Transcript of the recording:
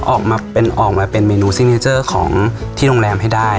ออกมาเป็นออกมาเป็นเมนูของที่โรงแรมให้ได้